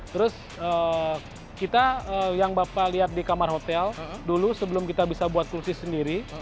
terus kita yang bapak lihat di kamar hotel dulu sebelum kita bisa buat kursi sendiri